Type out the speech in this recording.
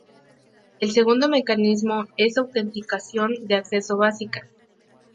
El segundo mecanismo es Autenticación de acceso básica.